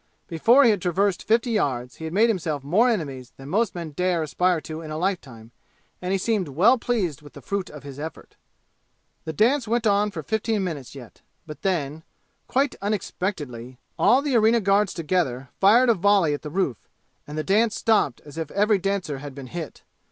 Before he had traversed fifty yards he had made himself more enemies than most men dare aspire to in a lifetime, and he seemed well pleased with the fruit of his effort. The dance went on for fifteen minutes yet, but then quite unexpectedly all the arena guards together fired a volley at the roof, and the dance stopped as if every dancer had been hit.